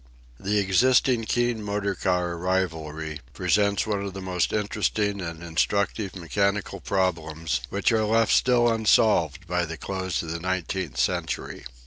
The existing keen motor car rivalry presents one of the most interesting and instructive mechanical problems which are left still unsolved by the close of the nineteenth century.